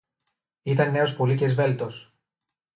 Ήταν νέος πολύ και σβέλτος